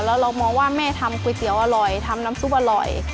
แล้วเรามองว่าแม่ทำก๋วยเตี๋ยวอร่อยทำน้ำซุปอร่อย